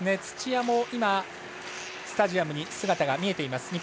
土屋もスタジアムに姿が見えています。